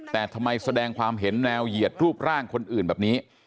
แต่ทำไมแสดงความเห็นแนวเหยียดรูปร่างคนอื่นแบบนี้